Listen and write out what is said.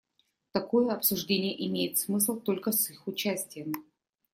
Такое обсуждение имеет смысл только с их участием.